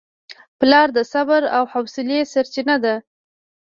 پلار د صبر او حوصلې سرچینه ده.